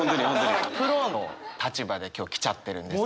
プロの立場で今日来ちゃってるんですけど。